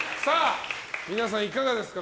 皆さん、いかがですか？